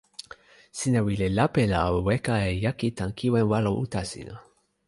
sina wile lape la o weka e jaki tan kiwen walo uta sina.